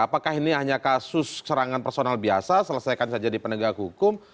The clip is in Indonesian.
apakah ini hanya kasus serangan personal biasa selesaikan saja di penegak hukum